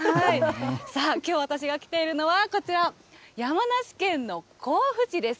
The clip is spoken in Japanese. さあ、きょう私が来ているのはこちら、山梨県の甲府市です。